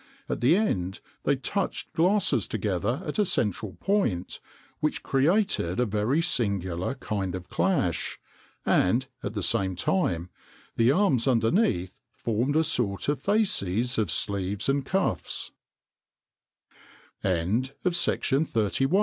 At the end they touched glasses together at a central point, which created a very singular kind of clash, and, at the same time, the arms underneath formed a sort of fasces of sleeves an